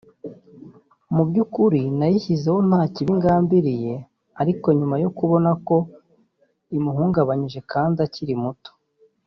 Mu by’ukuri nayishyizeho nta kibi ngambiriye ariko nyuma yo kubona ko imuhungabanyije kandi akiri muto